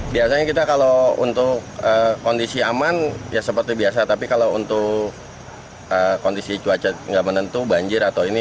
biasanya kita kalau untuk kondisi aman ya seperti biasa tapi kalau untuk kondisi cuaca nggak menentu banjir atau ini